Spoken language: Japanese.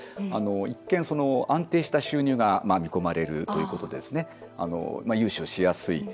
一見、安定した収入が見込まれるということで、融資をしやすい。